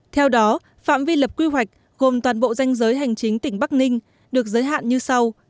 theo đó phạm vi lập quy hoạch gồm toàn bộ danh giới hành chính tỉnh bắc ninh được giới hạn như sau